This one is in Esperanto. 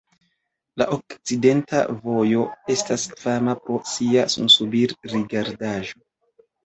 La okcidenta vojo estas fama pro sia sunsubir-rigardaĵo.